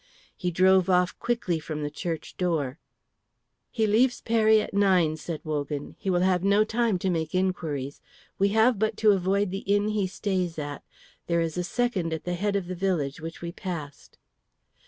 He drove off quickly from the church door. "He leaves Peri at nine," said Wogan. "He will have no time to make inquiries. We have but to avoid the inn he stays at. There is a second at the head of the village which we passed."